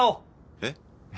えっ！？